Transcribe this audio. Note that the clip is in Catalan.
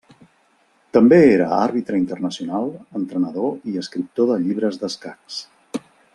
També era Àrbitre Internacional, entrenador i escriptor de llibres d'escacs.